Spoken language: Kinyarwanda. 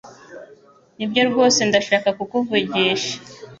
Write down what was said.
Nibyo rwose ndashaka kukuvugisha.